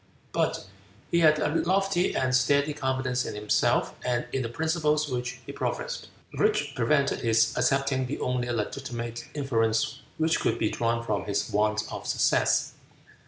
But he had a lofty and steady confidence in himself and in the principles which he professed, which prevented his accepting the only legitimate inference which could be drawn from his want of success.